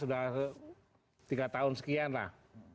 sudah tiga tahun sekian lah